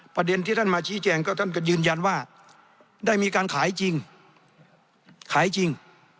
ประเด็นที่ท่านมาชี้แจงก็ท่านก็ยืนยันว่าได้มีการขายจริงขายจริง